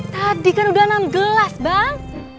tadi kan udah enam gelas bang